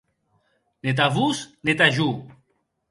Ne tà vos ne tà jo.